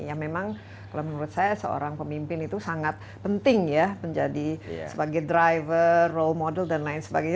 ya memang kalau menurut saya seorang pemimpin itu sangat penting ya menjadi sebagai driver role model dan lain sebagainya